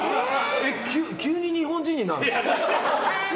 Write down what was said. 急に日本人になるの？